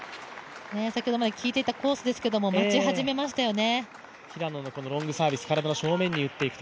先ほどまで効いていたコースですけれども待ち始めましたね。